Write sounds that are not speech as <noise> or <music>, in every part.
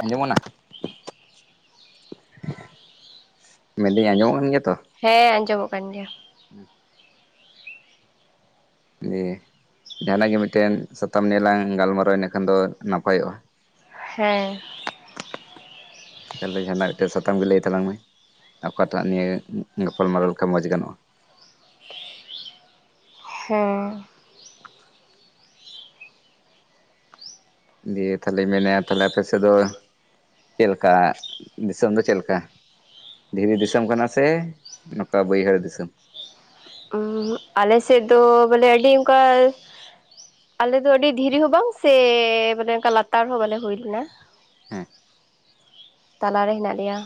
ᱟᱸᱡᱚᱢᱚᱜ ᱠᱟᱱᱟ <inaudible> ᱟᱸᱡᱚᱢᱚᱜ ᱠᱟᱱ ᱜᱮᱭᱟ ᱛᱚ ᱦᱮᱸ ᱟᱸᱡᱚᱢᱚᱜ ᱠᱟᱱ ᱜᱮᱭᱟ ᱦᱮᱸ ᱫᱤᱭᱮ ᱡᱟᱦᱟᱱᱟᱜ ᱜᱮ ᱢᱤᱫᱴᱮᱱ ᱥᱟᱛᱟᱢ ᱱᱤᱭᱟᱹᱮ ᱞᱟᱝ ᱜᱟᱞᱢᱟᱨᱟᱣᱟ ᱤᱱᱟᱹᱠᱷᱟᱱ ᱫᱚ ᱱᱟᱯᱟᱭᱚᱜᱼᱟ ᱦᱮᱸ ᱛᱟᱦᱚᱞᱮ ᱡᱟᱦᱟᱱᱟᱜ ᱢᱤᱫᱴᱮᱱ ᱥᱟᱛᱟᱢ ᱜᱮ ᱞᱟᱹᱭ ᱛᱟᱞᱟᱝ ᱢᱮ ᱚᱠᱟᱴᱟᱜ ᱱᱤᱭᱟᱹ ᱜᱟᱯᱟᱞᱢᱟᱨᱟᱣ ᱞᱮᱠᱷᱟᱱ ᱢᱚᱡᱽ ᱜᱟᱱᱚᱜᱼᱟ ᱦᱮᱸ ᱫᱤᱭᱮ ᱛᱟᱦᱚᱞᱮ ᱢᱮᱱᱟᱭᱟ ᱛᱟᱦᱞᱮ ᱟᱯᱮ ᱥᱮᱫ ᱫᱚ ᱪᱮᱫ ᱞᱮᱠᱟ ᱫᱤᱥᱚᱢ ᱫᱚ ᱪᱮᱫ ᱞᱮᱠᱟ ᱫᱷᱤᱨᱤ ᱫᱤᱥᱟᱹᱢ ᱠᱟᱱᱟ ᱥᱮ ᱱᱚᱝᱠᱟ ᱵᱟᱹᱭᱦᱟᱹᱲ ᱫᱤᱥᱟᱹᱢ ᱟᱞᱮ ᱥᱮᱫ ᱫᱚ ᱵᱚᱞᱮ ᱟᱹᱰᱤ ᱚᱱᱠᱟ ᱟᱞᱮ ᱫᱚ ᱟᱹᱰᱤ ᱫᱷᱤᱨᱤ ᱦᱚᱸ ᱵᱟᱝ ᱥᱮ ᱵᱚᱞᱮ ᱚᱱᱠᱟ ᱞᱟᱛᱟᱨ ᱦᱚᱸ ᱵᱟᱞᱮ ᱦᱩᱭ ᱞᱮᱱᱟ ᱦᱮᱸ ᱛᱟᱞᱟᱨᱮ ᱦᱮᱱᱟᱜ ᱞᱮᱭᱟ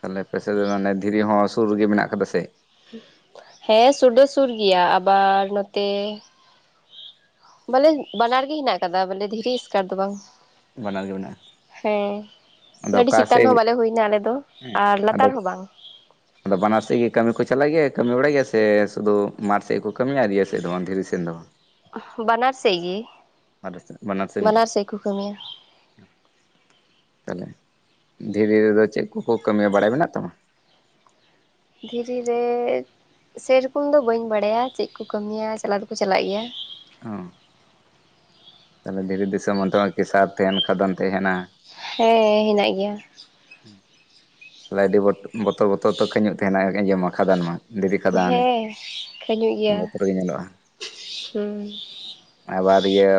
ᱛᱟᱦᱞᱮ ᱯᱮᱥᱮ ᱫᱚ ᱫᱷᱤᱨᱤ ᱦᱚᱸ ᱥᱩᱨ ᱨᱤᱜᱤ ᱢᱮᱱᱟᱜ ᱠᱟᱫᱟ ᱥᱮ ᱦᱮᱸ ᱥᱩᱰ ᱫᱚ ᱥᱩᱨ ᱜᱮᱭᱟ ᱟᱵᱟᱨ ᱱᱚᱛᱮ ᱵᱚᱞᱮ ᱵᱟᱱᱟᱨ ᱜᱮ ᱦᱮᱱᱟᱜ ᱟᱠᱟᱫᱟ ᱵᱚᱞᱮ ᱫᱷᱤᱨᱤ ᱮᱥᱠᱟᱨ ᱫᱚ ᱵᱟᱝ ᱵᱟᱱᱟᱨ ᱜᱮ ᱢᱮᱱᱟᱜᱼᱟ ᱦᱮᱸ ᱟᱫᱚ ᱟᱹᱰᱤ ᱚᱠᱟ ᱪᱮᱛᱟᱱ ᱥᱮᱫ ᱦᱚᱸ ᱵᱟᱞᱮ ᱦᱩᱭ ᱮᱱᱟ ᱟᱞᱮ ᱫᱚ ᱦᱮᱸ ᱟᱨ ᱟᱫᱚ ᱞᱟᱛᱟᱨ ᱦᱚᱸ ᱵᱟᱝ <unintelligible> ᱟᱫᱚ ᱵᱟᱱᱟᱨ ᱥᱮᱫ ᱜᱮ ᱠᱟᱹᱢᱤ ᱠᱚ ᱪᱟᱞᱟᱜ ᱜᱮᱭᱟ ᱠᱟᱹᱢᱤ ᱵᱟᱲᱟᱭ ᱜᱮᱭᱟ ᱥᱮ ᱥᱩᱫᱩ ᱢᱟᱴᱷ ᱥᱮᱫ ᱠᱚ ᱠᱟᱹᱢᱤᱭᱟ ᱤᱭᱟᱹ ᱥᱮᱫ ᱫᱚ ᱫᱷᱤᱨᱤ ᱥᱮᱫ ᱫᱚ ᱵᱟᱝ ᱵᱟᱱᱟᱨ ᱥᱮᱫ ᱜᱮ ᱵᱟᱱᱟᱨ ᱥᱮᱱ ᱜᱮ ᱠᱚ ᱠᱟᱹᱢᱤᱭᱟ ᱛᱟᱦᱚᱞᱮ ᱫᱷᱤᱨᱤ ᱨᱮᱫᱚ ᱪᱮᱫ ᱠᱚᱠᱚ ᱠᱟᱹᱢᱤᱭᱟ ᱵᱟᱲᱟᱭ ᱢᱮᱱᱟᱜ ᱛᱟᱢᱟ ᱫᱷᱤᱨᱤ ᱨᱮ ᱥᱮᱨᱚᱠᱚᱢ ᱫᱚ ᱵᱟᱹᱧ ᱵᱟᱲᱟᱭᱟ ᱪᱮᱫ ᱠᱚ ᱠᱟᱹᱢᱤᱭᱟ ᱪᱟᱞᱟᱣ ᱫᱚᱠᱚ ᱪᱟᱞᱟᱜ ᱜᱮᱭᱟ <unintelligible> ᱦᱚᱸ ᱛᱟᱦᱚᱞᱮ ᱫᱷᱤᱨᱤ ᱫᱤᱥᱚᱢ ᱚᱱᱛᱮ ᱠᱮᱥᱟᱨ ᱛᱟᱦᱮᱱ ᱠᱷᱟᱫᱟᱱ ᱛᱟᱦᱮᱱᱟ ᱦᱮᱸ ᱦᱮᱱᱟᱜ ᱜᱮᱭᱟ ᱛᱟᱦᱞᱮ ᱟᱹᱰᱤ ᱵᱚᱛᱚᱨᱼᱵᱚᱛᱚᱨ ᱛᱚ ᱠᱷᱟᱹᱧᱩᱜ ᱛᱟᱦᱮᱱᱟ ᱟᱸᱡᱚᱢᱟ ᱠᱷᱟᱫᱟᱱ ᱢᱟ ᱫᱷᱤᱨᱤ ᱠᱷᱟᱫᱟᱱ ᱦᱮᱸ ᱠᱷᱟᱹᱧᱚᱜ ᱜᱮᱭᱟ ᱵᱚᱛᱚᱨ ᱜᱮ ᱧᱮᱞᱚᱜᱼᱟ ᱦᱩᱸ ᱟᱵᱟᱨ ᱤᱭᱟᱹ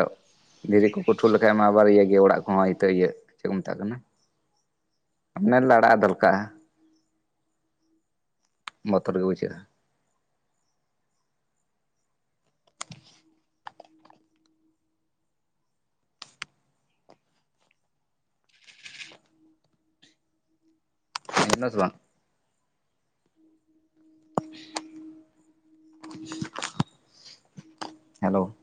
ᱫᱷᱤᱨᱤ ᱠᱚᱠᱚ ᱴᱷᱩ ᱞᱮᱠᱷᱟᱡ ᱢᱟ ᱟᱵᱟᱨ ᱤᱭᱟᱹᱜ ᱚᱲᱟᱜ ᱠᱚᱦᱚᱸ ᱦᱳᱭ ᱛᱚ ᱤᱭᱟᱹᱜ ᱪᱮᱫ ᱠᱚ ᱢᱮᱛᱟᱜ ᱠᱟᱱᱟ <unintelligible> ᱟᱱᱮ ᱞᱟᱲᱟᱜᱼᱟ ᱫᱟᱞᱠᱟᱜᱼᱟ᱾ ᱵᱚᱛᱚᱨ ᱜᱮ ᱵᱩᱡᱷᱟᱹᱜᱼᱟ᱾ ᱦᱮᱸ ᱠᱟᱱᱟ ᱥᱮ ᱵᱟᱝ <unintelligible> ᱦᱮᱞᱚ